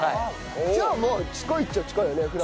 じゃあもう近いっちゃ近いよね船橋。